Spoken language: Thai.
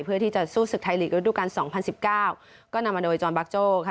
เพื่อที่จะสู้ศึกไทยลีกระดูกาลสองพันสิบเก้าก็นำมาโดยจอนบักโจ้ค่ะ